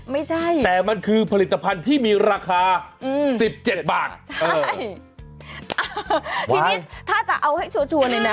ไม่ใช่แต่มันคือผลิตภัณฑ์ที่มีราคา๑๗บาทใช่ทีนี้ถ้าจะเอาให้ชัวร์เลยนะ